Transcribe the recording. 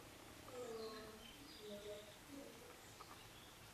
Logickým centrem okrsku je město Dvůr Králové nad Labem.